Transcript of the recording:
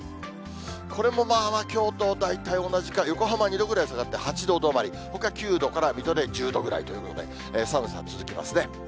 これもまあ、きょうと大体同じか、横浜２度ぐらい下がって８度止まり、ほか９度から、水戸で１０度くらいということで、寒さ続きますね。